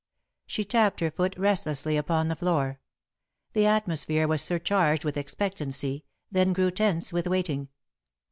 She tapped her foot restlessly upon the floor. The atmosphere was surcharged with expectancy, then grew tense with waiting.